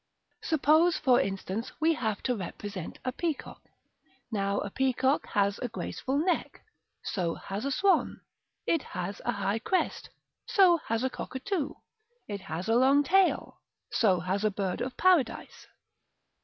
Suppose, for instance, we have to represent a peacock: now a peacock has a graceful neck, so has a swan; it has a high crest, so has a cockatoo; it has a long tail, so has a bird of Paradise.